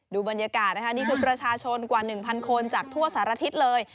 ดูบรรยากาศนะคะนี่คือประชาชนกว่า๑๐๐คนจากทั่วสารทิศเลย